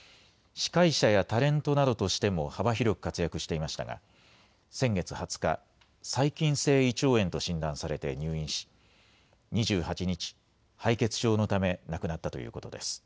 司会者やタレントなどとしても幅広く活躍していましたが、先月２０日、細菌性胃腸炎と診断されて入院し、２８日、敗血症のため亡くなったということです。